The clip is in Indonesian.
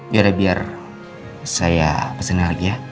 biar biar saya pesennya lagi ya